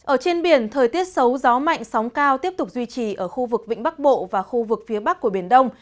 ở trên biển thời tiết xấu gió mạnh sóng cao tiếp tục duy trì ở khu vực vĩnh bắc bộ và khu vực phía bắc của biển đông